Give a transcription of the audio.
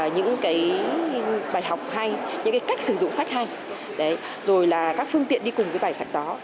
những bài học hay những cách sử dụng sách hay rồi là các phương tiện đi cùng với bài sách đó